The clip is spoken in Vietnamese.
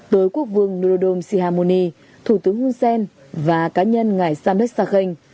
tới quốc vương nurudom sihamuni thủ tướng hun sen và cá nhân ngài samlek sakhen